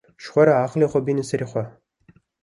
Ji xwe re aqilê xwe bînin serê xwe